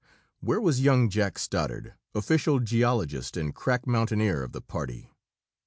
Where was young Jack Stoddard, official geologist and crack mountaineer of the party?